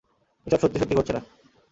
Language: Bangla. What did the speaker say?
এসব সত্যি সত্যি ঘটছে না!